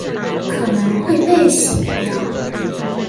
可能會被洗掉